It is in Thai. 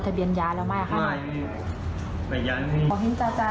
ขอเห็นจ่าก็เป็นอะไรคือด้วยนะ